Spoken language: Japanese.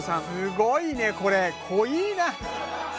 すごいねこれ濃いな！